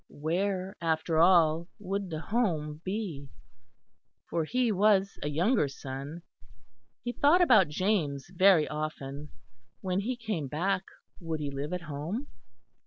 Where after all would the home be? For he was a younger son. He thought about James very often. When he came back would he live at home?